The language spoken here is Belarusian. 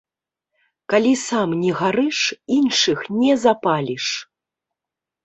Калі сам не гарыш, іншых не запаліш.